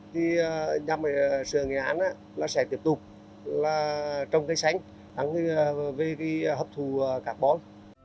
thì nhà máy sữa nghệ an sẽ tiếp tục trong cái sánh về hấp thu carbon